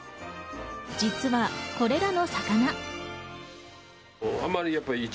実はこれらの魚。